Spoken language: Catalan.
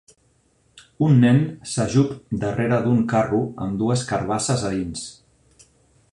Un nen s'ajup darrere d'un carro amb dues carbasses a dins.